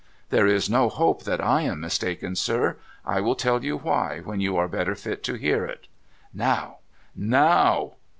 ' There is no hope that I am mistaken, sir. I will tell you why, when you are better fit to hear it.' ' Now ! now